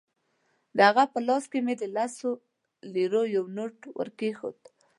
د هغه په لاس کې مې د لسو لیرو یو نوټ ورکېښود.